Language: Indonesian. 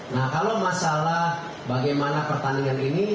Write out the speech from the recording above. nah kalau masalah bagaimana pertandingan ini